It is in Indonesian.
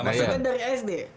masih kan dari sd